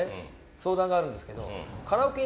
相談があるんですけどカラオケ行った時に